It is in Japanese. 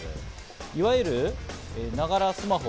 いわゆる、ながらスマホ。